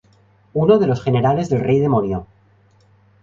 Uno de los generales del Rey Demonio.